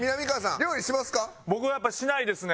僕はやっぱりしないですね。